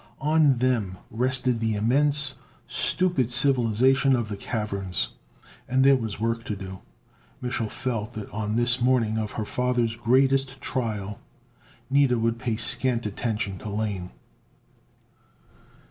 On them rested the immense, stupid civilization of the caverns, and there was work to do. Mich'l felt that on this morning of her father's greatest trial Nida would pay scant attention to Lane.